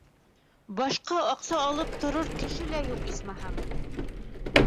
Башҡа аҡса алып торор кеше лә юҡ, исмаһам.